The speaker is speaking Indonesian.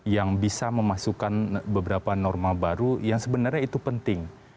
yang bisa memasukkan beberapa norma baru yang sebenarnya itu penting